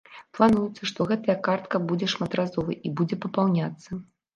Плануецца, што гэтая картка будзе шматразовай, і будзе папаўняцца.